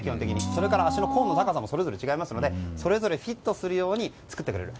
それから足の甲の高さも違うのでそれぞれフィットするように作ってくれる。